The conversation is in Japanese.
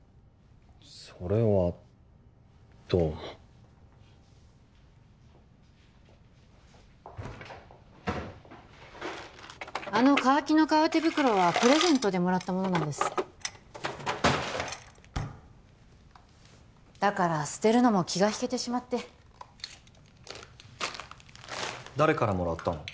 それはどうもあのカーキの革手袋はプレゼントでもらったものなんですだから捨てるのも気が引けてしまって誰からもらったの？